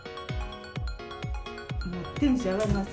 テンション上がります。